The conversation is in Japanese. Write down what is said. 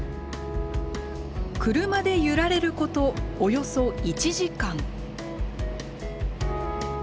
車で揺られることおよそ１時間。